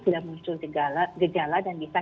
sudah muncul gejala dan bisa